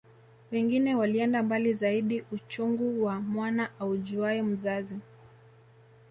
Wengine walienda mbali zaidi uchungu wa mwana aujuae mzazi